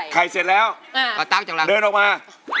ไก่เสร็จแล้วเดินออกมา